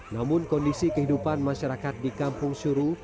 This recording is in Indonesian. namun kondisi kehidupan masyarakat di kampung suru